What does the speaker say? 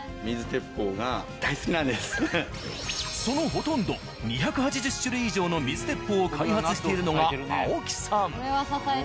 そのほとんど２８０種類以上の水鉄砲を開発しているのが青木さん。